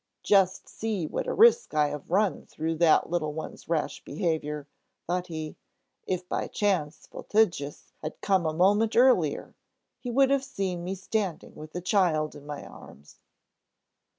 "Just see what a risk I have run through that little one's rash behavior!" thought he. "If by chance Voltigius had come a moment earlier, he would have seen me standing with a child in my arms."